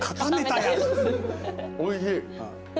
おいしい。